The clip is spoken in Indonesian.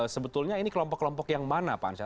sebetulnya ini kelompok kelompok yang mana pak ansya